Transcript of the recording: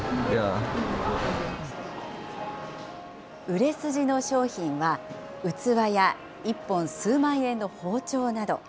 売れ筋の商品は、器や１本数万円の包丁など。